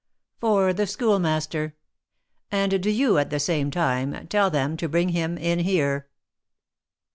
"For the Schoolmaster. And do you, at the same time, tell them to bring him in here."